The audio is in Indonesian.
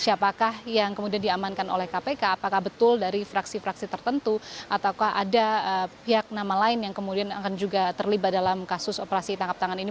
apakah betul dari fraksi fraksi tertentu ataukah ada pihak nama lain yang kemudian akan juga terlibat dalam kasus operasi tangkap tangan ini